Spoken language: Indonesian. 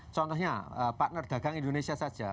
contohnya partner dagang indonesia saja